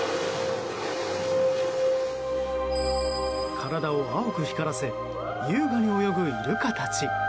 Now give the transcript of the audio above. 体を青く光らせ優雅に泳ぐイルカたち。